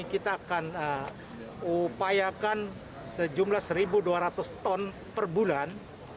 kita akan upayakan sejumlah satu dua ratus ton per bulan